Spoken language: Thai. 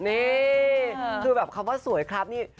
เอี่คือแบบคำไว้สวยครับ